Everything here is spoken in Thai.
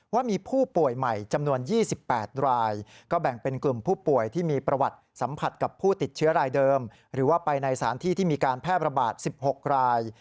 ว่ามีผู้ป่วยใหม่จำนวน๒๘ราย